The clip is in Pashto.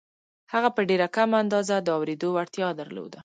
هغه په ډېره کمه اندازه د اورېدو وړتيا درلوده.